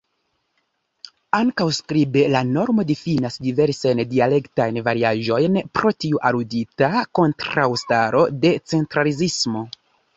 Ankaŭ skribe la normo difinas diversajn dialektajn variaĵojn, pro tiu aludita kontraŭstaro de centralizismo.